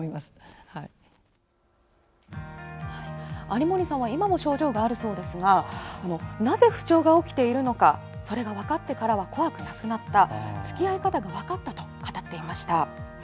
有森さんは今も症状があるそうですがなぜ不調が起きているのかそれが分かってからは怖くなくなったつきあい方が分かったと語っていました。